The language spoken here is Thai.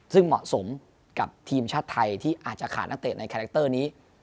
ซึ่งเหมาะสมกับทีมชาติไทยที่อาจจะขาดนักเตะในคาแรคเตอร์นี้